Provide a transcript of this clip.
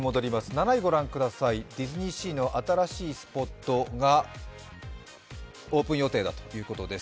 ７位を御覧ください、ディズニーシーの新しいスポットがオープン予定だということです。